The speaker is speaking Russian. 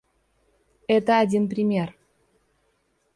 Это один пример.